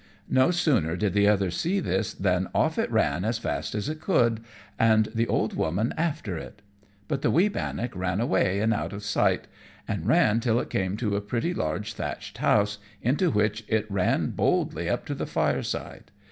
No sooner did the other see this than off it ran as fast as it could, and the old woman after it; but the wee bannock ran away and out of sight, and ran till it came to a pretty large thatched house, into which it ran boldly up to the fire side.